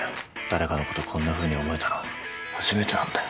誰かのことこんなふうに思えたの初めてなんだよ。